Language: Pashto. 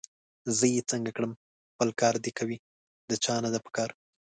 زه یې څنګه کړم! خپل کار دي کوي، د چا نه ده پکار